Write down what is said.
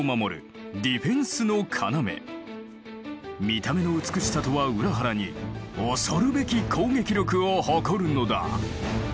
見た目の美しさとは裏腹に恐るべき攻撃力を誇るのだ。